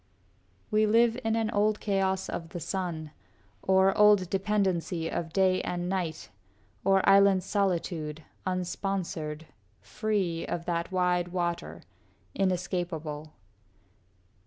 We live in an old chaos of the sun, Or old dependency of day and night, Or island solitude, unsponsored, free, Of that wide water, inescapable.